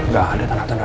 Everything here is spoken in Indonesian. gak ada tanda tanda rena